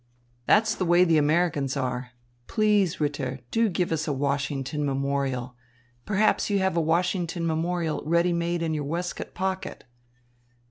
"That's the way the Americans are. Please, Ritter, do give us a Washington memorial. Perhaps you have a Washington memorial ready made in your waistcoat pocket."